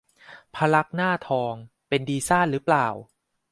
พระลักษมณ์หน้าทอง เป็นดีซ่านหรือเปล่า